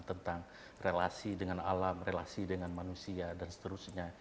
tentang relasi dengan alam relasi dengan manusia dan seterusnya